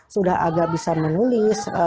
sudah agak bisa menulis